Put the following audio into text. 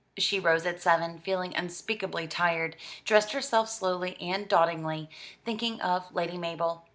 She rose at seven, feeling unspeakably tired, dressed herself slowly and dawdlingly, thinking of Lady Mabel.